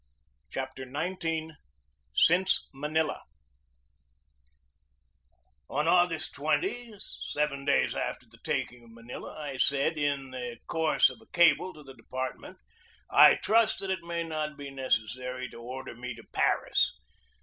CHAPTER XIX SINCE MANILA ON August 20, seven days after the taking of Manila, I said, in the course of a cable to the depart ment: "I trust that it may not be necessary to order me to Paris.